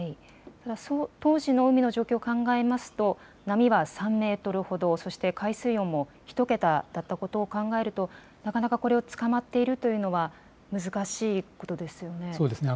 当時の海の状況を考えると波は３メートルほどそして海水温も１桁だったことを考えるとつかまっているというのは難しいことですよね。